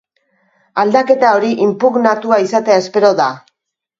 Aldaketa hori inpugnatua izatea espero da.